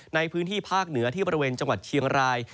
ในพื้นที่ภาคเหนือที่บริเวณจังหวัดเชียงราย